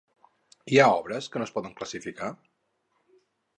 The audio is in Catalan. Hi ha obres que no es poden classificar?